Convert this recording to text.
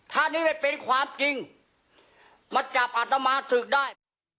ถ้านี่ไม่เป็นความจริงมาจับอัตมาศึกได้